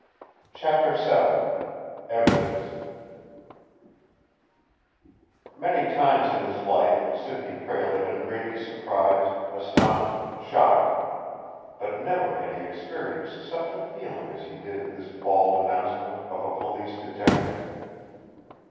CHAPTER VII EVIDENCE Many times in his life, Sidney Prale had been greatly surprised, astonished, shocked. But never had he experienced such a feeling as he did at this bald announcement of a police detective.